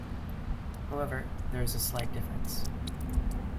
However, there is a slight difference.